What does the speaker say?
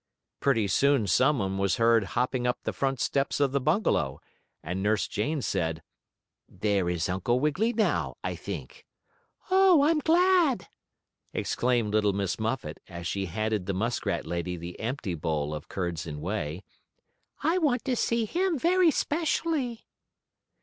Pretty soon some one was heard hopping up the front steps of the bungalow, and Nurse Jane said: "There is Uncle Wiggily now, I think." "Oh, I'm glad!" exclaimed little Miss Muffet, as she handed the muskrat lady the empty bowl of curds and whey. "I want to see him very specially."